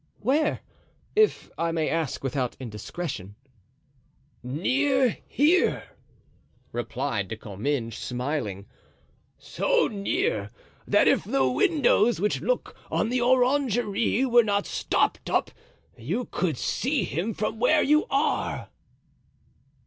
"Where? if I may ask without indiscretion." "Near here," replied De Comminges, smiling; "so near that if the windows which look on the orangery were not stopped up you could see him from where you are."